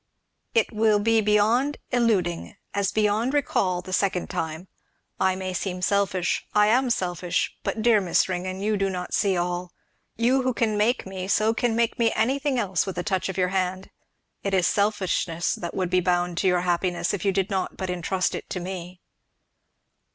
"It will be beyond eluding, as beyond recall, the second time. I may seem selfish I am selfish but dear Miss Ringgan you do not see all, you who make me so can make me anything else with a touch of your hand it is selfishness that would be bound to your happiness, if you did but entrust it to me."